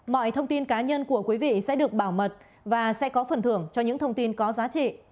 mọi thông tin cá nhân của quý vị sẽ được bảo mật và sẽ có phần thưởng cho những thông tin có giá trị